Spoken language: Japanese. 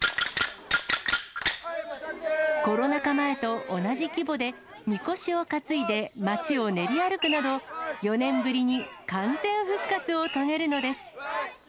コロナ禍前と同じ規模で、みこしを担いで街を練り歩くなど、４年ぶりに完全復活を遂げるのです。